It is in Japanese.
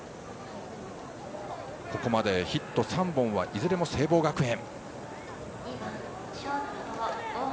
ここまでヒット３本はいずれも聖望学園。